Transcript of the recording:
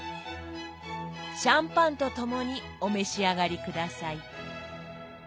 シャンパンとともにお召し上がり下さい。